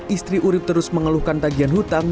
istri urib terus mengeluhkan tagihan hutang